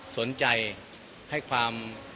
สนใจให้ความ